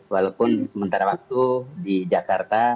walaupun sementara waktu di jakarta